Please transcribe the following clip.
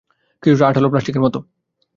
কিছুটা আঠালো, প্লাস্টিকের মতো।